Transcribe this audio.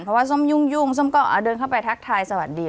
เพราะว่าส้มยุ่งส้มก็เดินเข้าไปทักทายสวัสดี